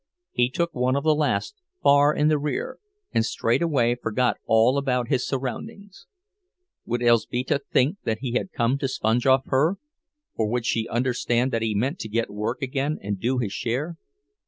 He took one of the last, far in the rear, and straightway forgot all about his surroundings. Would Elzbieta think that he had come to sponge off her, or would she understand that he meant to get to work again and do his share?